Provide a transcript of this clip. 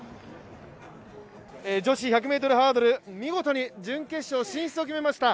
女子１００ｍハードル見事に準決勝進出を決めました。